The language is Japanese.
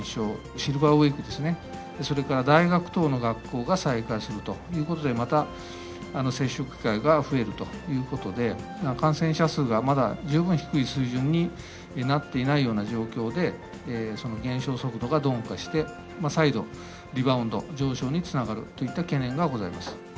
シルバーウィークですね、それから大学等の学校が再開するということで、また接触機会が増えるということで、感染者数がまだ、十分低い水準になっていないような状況で、その減少速度が鈍化して、再度、リバウンド、上昇につながるといった懸念がございます。